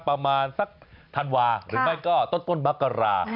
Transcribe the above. ประมาณสักธันวาห์หรือไม่ก็ต้นต้นมะกะลา